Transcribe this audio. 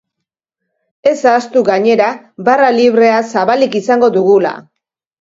Ez ahaztu, gainera, barra librea zabalik izango dugula!